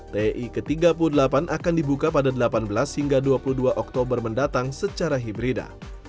tei ke tiga puluh delapan akan dibuka pada delapan belas hingga dua puluh dua oktober mendatang secara hibrida